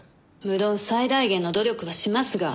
無論最大限の努力はしますが。